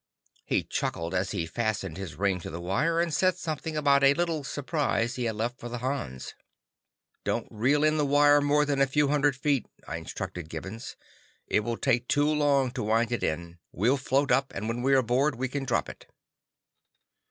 He chuckled as he fastened his ring to the wire, and said something about a little surprise he had left for the Hans. "Don't reel in the wire more than a few hundred feet," I instructed Gibbons. "It will take too long to wind it in. We'll float up, and when we're aboard, we can drop it."